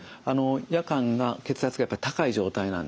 夜間が血圧が高い状態なんですね。